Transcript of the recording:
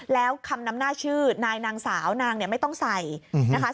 แล้วคำนำหน้าชื่อนายนางสาวนางเนี่ยไม่ต้องใส่นะคะ